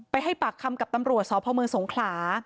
ไปให้ปากคำกับตำรวจสพสงขลา